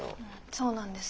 そうなんです。